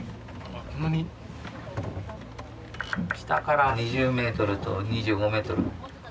下から２０メートルと２５メートル。